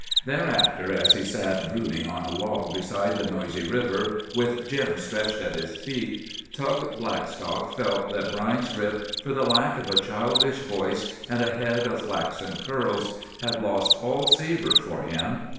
Thereafter, as he sat brooding on a log beside the noisy river, with Jim stretched at his feet, Tug Blackstock felt that Brine's Rip, for the lack of a childish voice and a head of flaxen curls, had lost all savour for him.